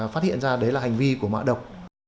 phát hiện ra đấy là hành vi của mã độc